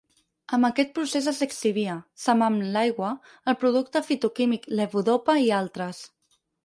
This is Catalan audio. Amb aquest procés es lixivia, se'n va amb l'aigua, el producte fitoquímic levodopa i altres.